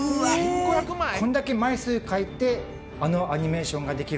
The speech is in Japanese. こんだけ枚数かいてあのアニメーションができる。